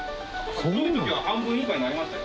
ひどいときは半分以下になりましたよ。